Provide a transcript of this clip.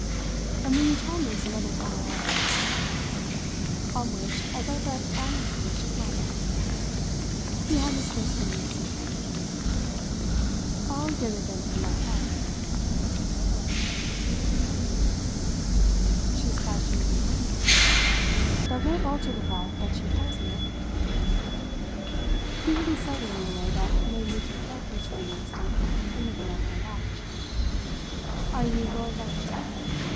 "And will you tell me some other time about that too?" On which, as I but amicably shook my head for no, he had his first dimness of pleasantry. "I'll get it then from my wife." "Never. She won't tell you." "She has passed you her word? That won't alter the fact that she tells me everything." He really said it in a way that made me take refuge for an instant in looking at my watch. "Are you going back to tea?